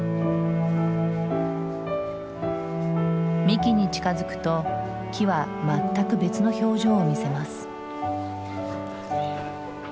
幹に近づくと木は全く別の表情を見せます。